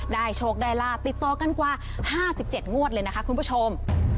ได้โชคได้ลาบติดต่อกันกว่าห้าสิบเจ็ดงวดเลยนะคะคุณผู้ชม